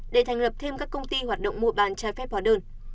để thành lập thêm các công ty hoạt động mua bán trái phép hóa đơn